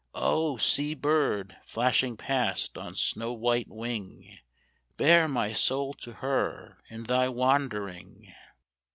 Oh! sea bird, flashing past on snow white wing, Bear my soul to her in thy wandering.